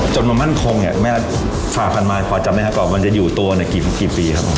จนมามั่นคงแม่อัสฝากันมาพอจำไม่ค่ะคลอมมันอยู่ตัวในกี่ปีครับ